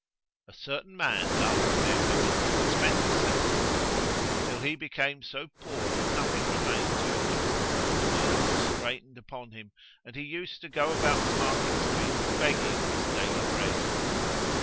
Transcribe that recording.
A certain man loved fair women, and spent his substance on them, till he became so poor that nothing remained to him; the world was straitened upon him and he used to go about the market streets begging his daily bread.